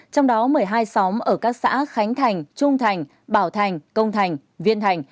trong đó một mươi hai xóm ở các xã khánh thành trung thành bảo thành công thành viên thành